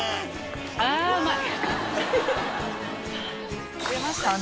あぁうまい！